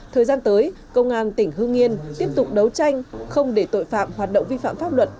thời gian tới công an tỉnh hương yên tiếp tục đấu tranh không để tội phạm hoạt động vi phạm pháp luật